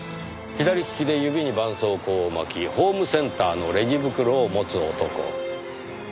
左利きで指にばんそうこうを巻きホームセンターのレジ袋を持つ男。